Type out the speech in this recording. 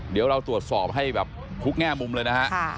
เดี๋ยวเราตรวจสอบให้แบบทุกแง่มุมเลยนะฮะ